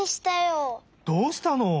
どうしたの？